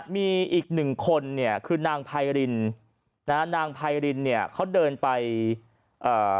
มีอีกหนึ่งคนเนี่ยคือนางไพรินนะฮะนางไพรินเนี่ยเขาเดินไปเอ่อ